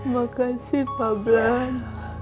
makasih pak blan